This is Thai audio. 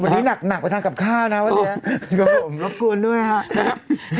อันนี้หนักก็ทานกับข้าวนะวันนี้ขอบคุณด้วยครับ